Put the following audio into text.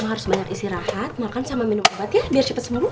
mak harus banyak isi rahat makan sama minum rembat ya biar cepet semuruh